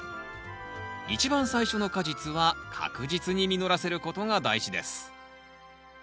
一番最初の果実は確実に実らせることが大事です。